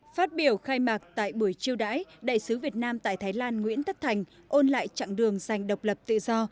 phát biểu khai mạc tại buổi chiêu đãi đại sứ việt nam tại thái lan nguyễn tất thành ôn lại chặng đường dành độc lập tự do